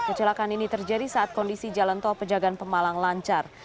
kecelakaan ini terjadi saat kondisi jalan tol pejagaan pemalang lancar